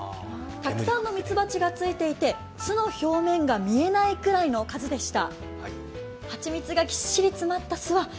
たくさんのミツバチがついていて、巣の表面が見えないくらいの数でした。